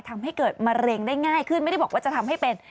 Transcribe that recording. ทำให้เกิดมะเร็งได้ง่ายขึ้นไม่ได้บอกว่าจะทำให้เป็น